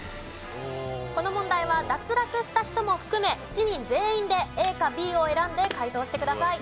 この問題は脱落した人も含め７人全員でＡかＢを選んで解答してください。